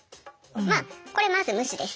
まあこれまず無視です。